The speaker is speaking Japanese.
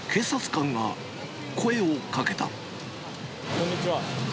こんにちは。